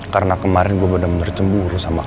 karena kemarin gue bener bener cemburu sama lo